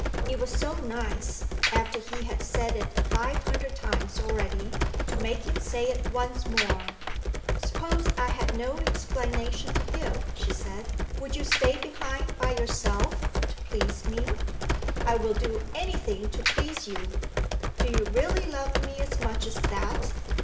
It was so nice (after he had said it five hundred times already) to make him say it once more! "Suppose I had no explanation to give?" she said. "Would you stay behind by yourself to please me?" "I would do any thing to please you!" "Do you really love me as much as that?"